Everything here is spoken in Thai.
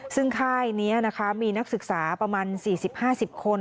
ซึ่งค่ายนี้นะคะมีนักศึกษาประมาณ๔๐๕๐คน